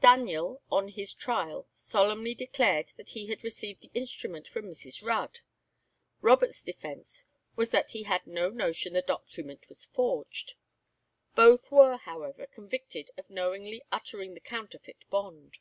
Daniel on his trial solemnly declared that he had received the instrument from Mrs. Rudd; Robert's defence was that he had no notion the document was forged. Both were, however, convicted of knowingly uttering the counterfeit bond.